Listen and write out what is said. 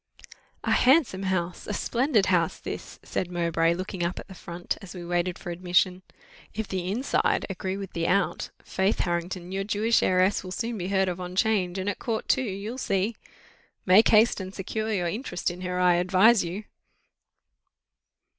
"A handsome house a splendid house, this," said Mowbray, looking up at the front, as we waited for admission. "If the inside agree with the out, faith, Harrington, your Jewish heiress will soon be heard of on 'Change, and at court too, you'll see. Make haste and secure your interest in her, I advise you."